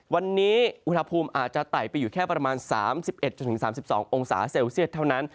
วันนี้อุณหภูมิอาจจะไต่ไปอยู่แค่ประมาณ๓๑๓๒องศาเซลเซียตเท่านั้น